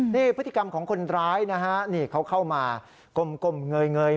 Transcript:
นี่พฤติกรรมของคนร้ายนะฮะนี่เขาเข้ามากลมเงย